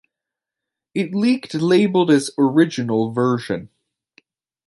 It leaked labeled as "Original Version".